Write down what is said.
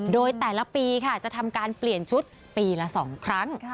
โดยแต่ละปีค่ะจะทำการเปลี่ยนชุดปีละ๒ครั้ง